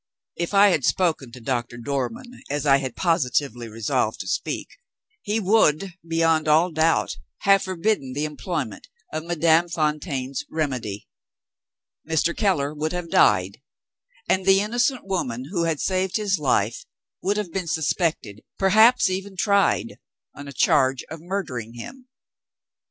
If I had spoken to Doctor Dormann as I had positively resolved to speak, he would, beyond all doubt, have forbidden the employment of Madame Fontaine's remedy; Mr. Keller would have died; and the innocent woman who had saved his life would have been suspected, perhaps even tried, on a charge of murdering him.